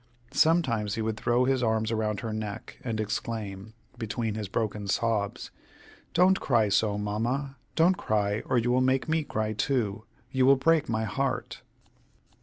Sometimes he would throw his arms around her neck, and exclaim, between his broken sobs, "Don't cry so, Mamma! don't cry, or you will make me cry, too! You will break my heart."